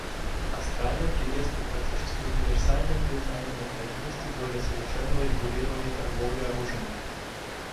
Австралия приветствует практически универсальное признание необходимости более совершенного регулирования торговли оружием.